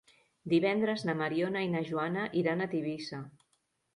Divendres na Mariona i na Joana iran a Tivissa.